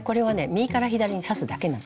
右から左に刺すだけなんです。